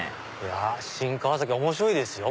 新川崎面白いですよ！